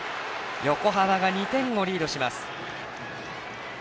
横浜が２点をリードします。